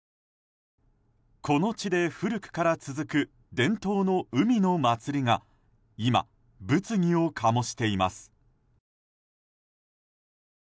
この地で古くから続く伝統の海の祭りが今、物議を醸しています。